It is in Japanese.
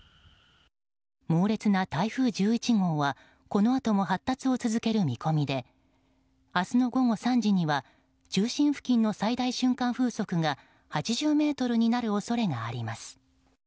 猛烈な台風１１号はこのあとも発達を続ける見込みで明日の午後３時には中心付近の最大瞬間風速が８０メートルになる恐れがあります。